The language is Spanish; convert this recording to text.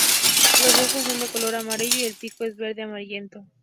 Los ojos son de color amarillo y el pico es verde amarillento.